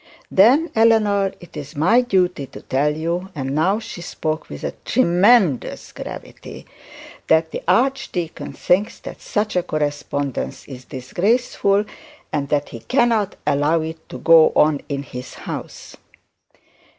'Then, Eleanor, it is my duty to tell you,' and now she spoke with a tremendous gravity, 'that the archdeacon thinks that such a correspondence is disgraceful, and that he cannot allow it to go on in this house.'